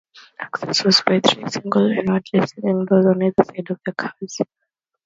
Access was by three single inwardly swinging doors on either side of the cars.